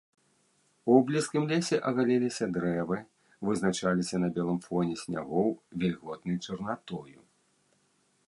У блізкім лесе агаліліся дрэвы, вызначаліся на белым фоне снягоў вільготнай чарнатою.